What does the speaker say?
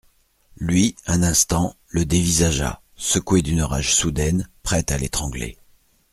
Lui, un instant, le dévisagea, secoué d'une rage soudaine, prêt à l'étrangler.